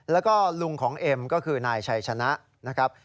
แล้วก็ลุงของเอ็มก็คือนายชัยชนะนะครับ